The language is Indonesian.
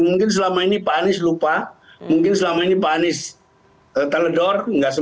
mungkin selama ini pak anies lupa mungkin selama ini pak anies teledor